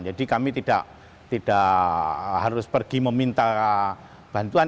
jadi kami tidak harus pergi meminta bantuan